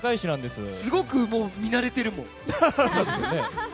すごく見慣れてるもん。